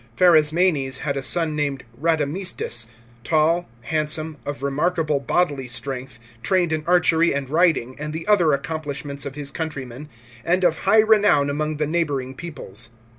Pharasmanes had a son named Radamistus, tall, handsome, of remarkable bodily strength, trained in archery and riding, and the other accomplishments of his countrymen, and of high renown among the neighbouring peoples.